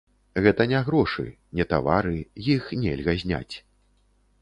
Гэта не грошы, не тавары, іх нельга зняць.